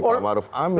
pak maruf amin